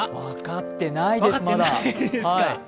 分かってないです、まだ。